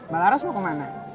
mbak laras mau kemana